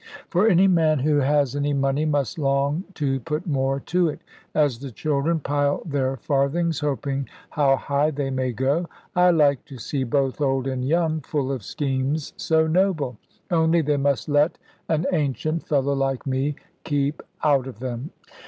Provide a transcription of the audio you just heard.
For any man who has any money must long to put more to it; as the children pile their farthings, hoping how high they may go. I like to see both old and young full of schemes so noble; only they must let an ancient fellow like me keep out of them.